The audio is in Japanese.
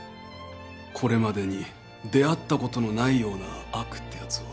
これまでに出会ったことのないような悪ってやつを。